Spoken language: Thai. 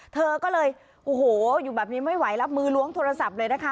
เธอก็เลยโอ้โหอยู่แบบนี้ไม่ไหวรับมือล้วงโทรศัพท์เลยนะคะ